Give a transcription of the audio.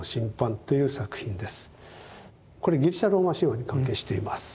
これギリシャ・ローマ神話に関係しています。